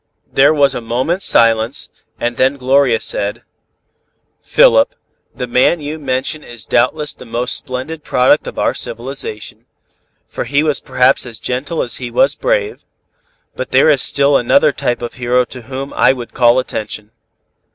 There was a moment's silence, and then Gloria said: "Philip, the man you mention is doubtless the most splendid product of our civilization, for he was perhaps as gentle as he was brave, but there is still another type of hero to whom I would call attention.